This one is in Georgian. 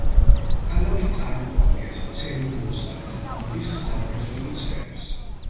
ქალაქი წარმოადგენს ცელულოზა-ქაღალდის სამრეწველო ცენტრს.